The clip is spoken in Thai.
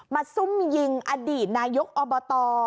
ซุ่มยิงอดีตนายกอบต